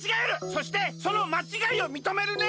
そしてそのまちがいをみとめるね！